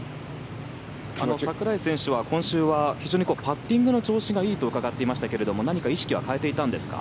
櫻井選手は今週は非常にパッティングの調子がいいと伺っていましたが何か意識は変えていたんですか？